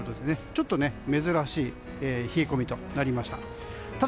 ちょっと珍しい冷え込みとなりました。